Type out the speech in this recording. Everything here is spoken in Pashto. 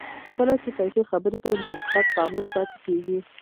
کله چې پیسې خبرې کوي نو حقیقت خاموش پاتې کېږي.